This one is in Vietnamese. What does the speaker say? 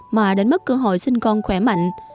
mà đánh mất cơ hội sinh con khỏe mạnh